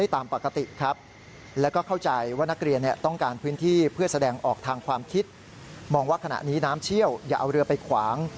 ทางความคิดมองว่าขณะนี้น้ำเชี่ยวอย่าเอาเรือไปขวาง